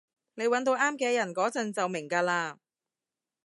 你搵到啱嘅人嗰陣就明㗎喇